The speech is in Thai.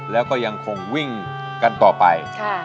แล้วก็ยังคงวิ่งกันต่อไป